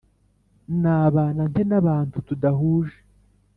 Nabana nte n abantu tudahuje